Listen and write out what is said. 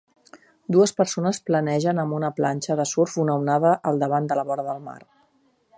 Dues persones planegen amb una planxa de surf una onada al davant de la vora del mar.